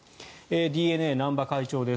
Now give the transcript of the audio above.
ＤｅＮＡ、南場会長です。